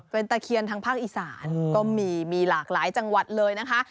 เป็นตะเคียนทางภาคอีสานก็มีมีหลากหลายจังหวัดเลยนะคะ